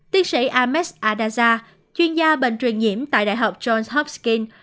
tiến sĩ ahmed adaza chuyên gia bệnh truyền nhiễm tại đại học johns hopsking